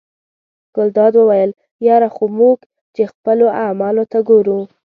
ګلداد وویل یره خو موږ چې خپلو اعمالو ته ګورو.